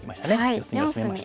四隅をシメました。